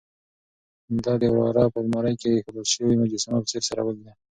د ده وراره په المارۍ کې اېښودل شوې مجسمه په ځیر سره ولیده.